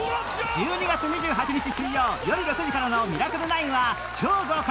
１２月２８日水曜よる６時からの『ミラクル９』は超豪華！